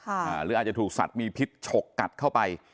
หรืออาจจะถูกสัตว์มีพิษฉกกัดเข้าไป